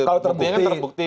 buktinya kan terbukti